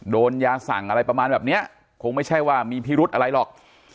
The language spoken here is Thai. โดนยาสั่งอะไรประมาณแบบเนี้ยคงไม่ใช่ว่ามีพิรุธอะไรหรอก